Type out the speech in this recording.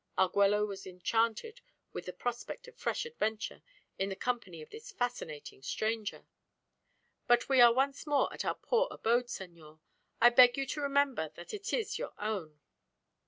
Arguello was enchanted at the prospect of fresh adventure in the company of this fascinating stranger. "But we are once more at our poor abode, senor. I beg you to remember that it is your own."